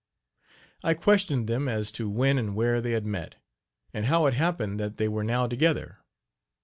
I questioned them as to when and where they had met, and how it happened that they were now together.